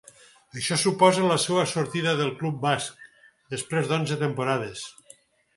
Això suposa la seua sortida del club basc, després d'onze temporades.